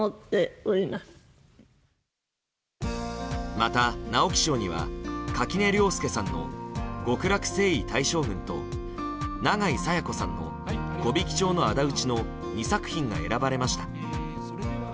また、直木賞には垣根涼介さんの「極楽征夷大将軍」と永井紗耶子さんの「木挽町のあだ討ち」の２作品が選ばれました。